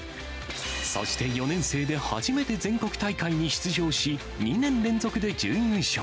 そして４年生で初めて全国大会に出場し、２年連続で準優勝。